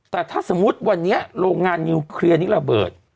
แต่ถ้าสมมุติวันนี้โรงงานนิวเคลียร์นี้ระเบิด